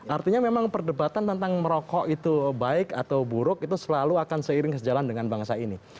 artinya memang perdebatan tentang merokok itu baik atau buruk itu selalu akan seiring sejalan dengan bangsa ini